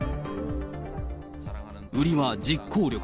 売りは実行力。